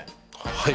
はい。